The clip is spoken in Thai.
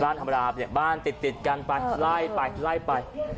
บ้านธรรมดาบ้านติดกันไปไล่ไป